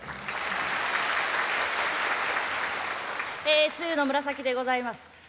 え露の紫でございます。